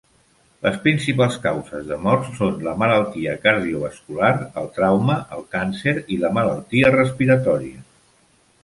Les principals causes de mort són la malaltia cardiovascular, el trauma, el càncer i la malaltia respiratòria.